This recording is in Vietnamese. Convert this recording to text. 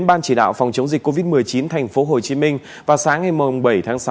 ban chỉ đạo phòng chống dịch covid một mươi chín thành phố hồ chí minh vào sáng ngày bảy tháng sáu